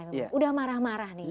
sudah marah marah nih